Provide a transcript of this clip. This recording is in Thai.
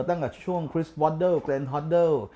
ตั้งแต่ช่วงคริสต์วอดเดิลเกรนฮอดเดิล